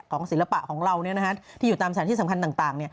ศิลปะของเราที่อยู่ตามสถานที่สำคัญต่าง